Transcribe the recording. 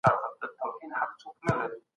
دغه حج دونه ښکلی دی چي هر مسلمان یې غواړي.